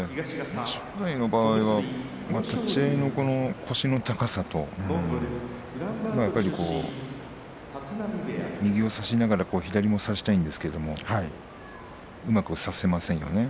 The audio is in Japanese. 正代の場合は立ち合いの腰の高さとやはり右を差しながら左を差したいんですがうまく差せませんよね。